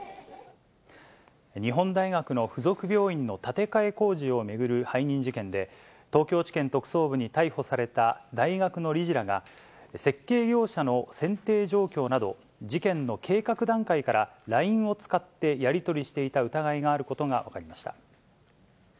日本大学の付属病院の建て替え工事を巡る背任事件で、東京地検特捜部に逮捕された大学の理事らが、設計業者の選定状況など、事件の計画段階から、ＬＩＮＥを使ってやり取りしていた疑いがあることが分かりました。